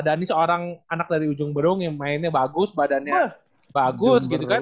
dan ini seorang anak dari ujung berung yang mainnya bagus badannya bagus gitu kan